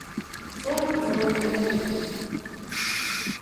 – Сорт «золотой налив».